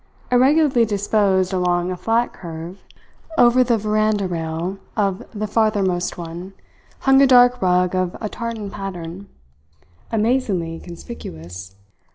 Irregularly disposed along a flat curve, over the veranda rail of the farthermost one hung a dark rug of a tartan pattern, amazingly conspicuous.